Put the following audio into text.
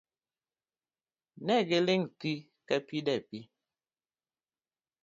Ne giling' thii kapi dapi.